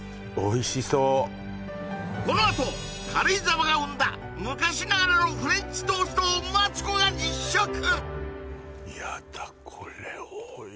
おいしそうこのあと軽井沢が生んだ昔ながらのフレンチトーストをマツコが実食！